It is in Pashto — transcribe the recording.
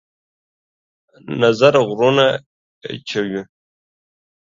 نظر غرونه چوي